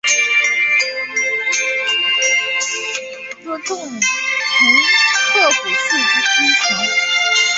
的重臣鹤谷氏之居城。